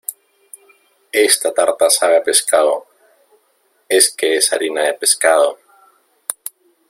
esta tarta sabe a pescado. es que es harina de pescado,